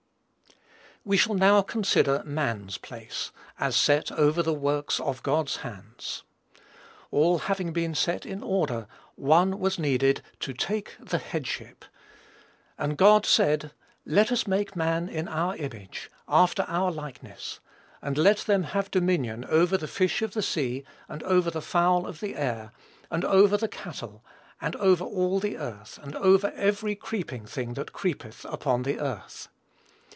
We shall now consider man's place, as set over the works of God's hands. All having been set in order, one was needed to take the headship. "And God said, Let us make man in our image, after our likeness; and let them have dominion over the fish of the sea, and over the fowl of the air, and over the cattle, and over all the earth, and over every creeping thing that creepeth upon the earth.